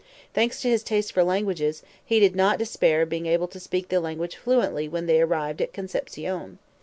Thanks to his taste for languages, he did not despair of being able to speak the language fluently when they arrived at Concepcion.